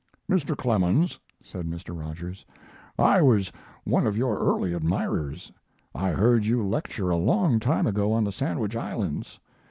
"Mr. Clemens," said Mr. Rogers, "I was one of your early admirers. I heard you lecture a long time ago on the Sandwich Islands.